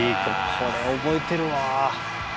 これ覚えてるわ。